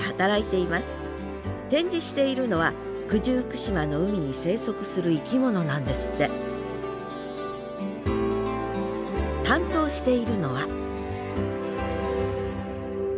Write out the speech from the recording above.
展示しているのは九十九島の海に生息する生き物なんですって担当しているのはえ？